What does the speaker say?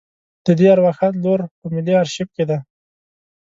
د دې ارواښاد لور په ملي آرشیف کې ده.